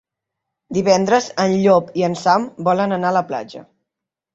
Divendres en Llop i en Sam volen anar a la platja.